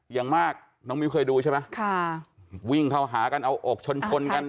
อย่างมากน้องมิ้วเคยดูใช่ไหมค่ะวิ่งเข้าหากันเอาอกชนชนกัน